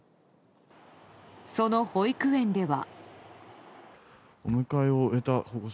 その保育園では。